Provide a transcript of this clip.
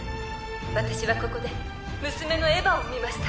「私はここで娘のエヴァを産みました」